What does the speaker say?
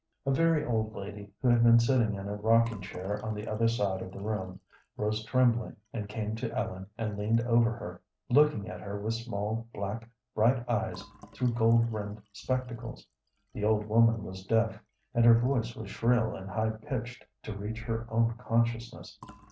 A very old lady, who had been sitting in a rocking chair on the other side of the room, rose trembling and came to Ellen and leaned over her, looking at her with small, black, bright eyes through gold rimmed spectacles. The old woman was deaf, and her voice was shrill and high pitched to reach her own consciousness.